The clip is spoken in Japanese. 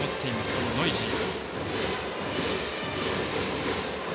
このノイジー。